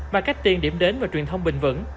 và cách tiền điểm đến và truyền thông bình vẩn